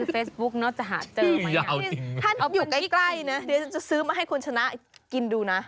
เฟซบุ๊กเนอะจะหาเจอไหมถ้าอยู่ใกล้ใกล้นะเดี๋ยวฉันจะซื้อมาให้คุณชนะกินดูนะ